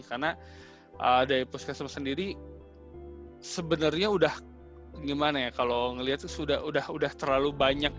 karena dari puskesmas sendiri sebenarnya sudah terlalu banyak